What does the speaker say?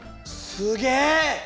すげえ！